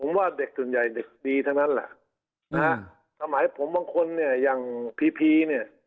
ผมว่าเด็กส่วนใหญ่เด็กดีทั้งนั้นแหละนะฮะสมัยผมบางคนเนี่ยอย่างพีพีเนี่ย